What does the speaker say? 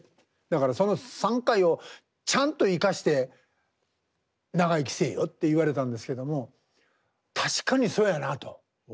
だからその３回をちゃんと生かして長生きせえよ」って言われたんですけども確かにそやなと。